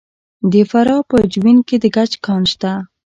د فراه په جوین کې د ګچ کان شته.